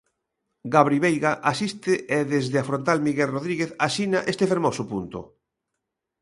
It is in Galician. Gabri Veiga asiste e desde a frontal Miguel Rodríguez asina este fermoso punto.